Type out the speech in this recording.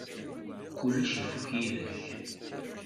Kullec ifuk yid-k.